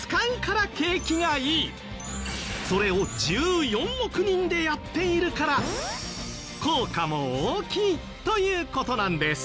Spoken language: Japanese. それを１４億人でやっているから効果も大きいという事なんです。